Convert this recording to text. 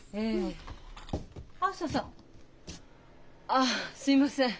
ああすいません。